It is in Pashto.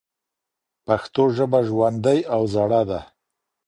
پښتو ژبه ژوندۍ او زړه ده.